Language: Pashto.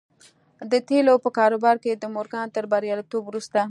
د تيلو په کاروبار کې د مورګان تر برياليتوب وروسته.